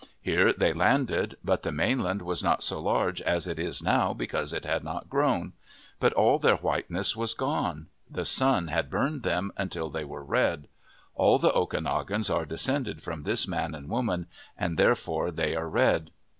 Here they landed, but the mainland was not so large as it is now because it had not grown. But all their white ness was gone. The sun had burned them until they were red. All the Okanogans are descended from this man and woman, and therefore they are red.